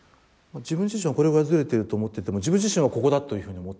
自分自身はこれぐらいズレてると思ってても自分自身はここだというふうに思ってるってことですよね。